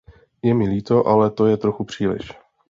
Je mi líto, ale to je trochu příliš.